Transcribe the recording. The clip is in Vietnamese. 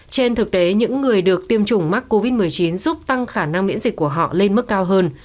trên thực tế những người được tiêm chủng mắc covid một mươi chín giúp tăng khả năng miễn dịch của họ lên mức cao hơn